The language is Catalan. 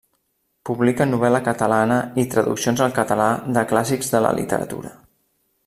Publica novel·la catalana i traduccions al català de clàssics de la literatura.